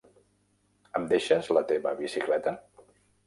Em deixes la teva bicicleta?